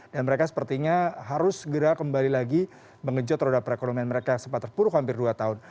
dan mereka sepertinya harus segera kembali lagi mengejut roda perekonomian mereka yang sempat terpuruk hampir dua tahun